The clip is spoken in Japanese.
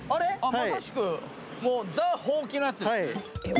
まさしくもうザホウキなやつですね